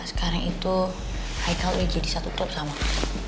sekarang itu haikal udah jadi satu klub sama kamu